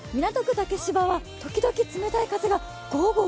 竹芝は時々、冷たい風がゴーゴー